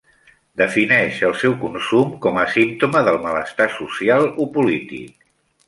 Defineix el seu consum com a símptoma del malestar social o polític.